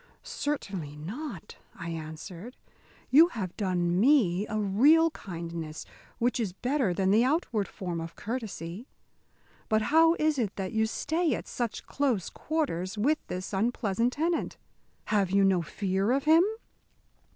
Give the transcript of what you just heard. "Certainly not," I answered, "you have done me a real kindness, which is better than the outward form of courtesy. But how is it that you stay at such close quarters with this unpleasant tenant? Have you no fear of him?"